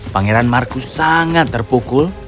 pangeran marcus sangat terpukul